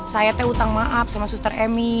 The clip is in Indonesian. saya teh utang maaf sama suster emi